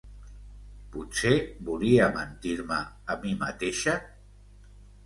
Potser volia mentir-me a mi mateixa?